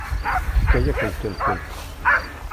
Tefka-yakent-tent.